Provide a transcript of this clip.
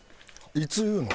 いつ言うの？